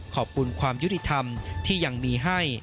ขอบคุณความยุติธรรมที่ยังมีให้